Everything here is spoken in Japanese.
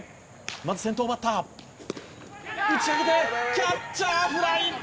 まず先頭バッター」「打ち上げてキャッチャーフライ！」